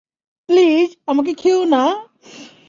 Please, আমাকে খেয়ো না!